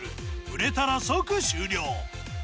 ふれたら即終了。